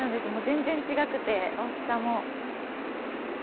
全然違くて、大きさも。